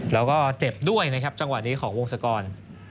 แล้วก็เจ็บด้วยนะครับจังหวะนี้ของวงศกร